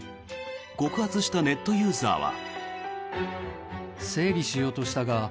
告発したネットユーザーは。